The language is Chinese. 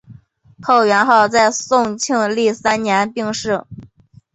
后元昊在宋庆历三年病逝。